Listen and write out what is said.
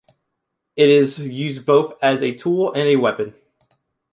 It is used both as a tool and a weapon.